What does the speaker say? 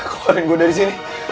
keluarin gue dari sini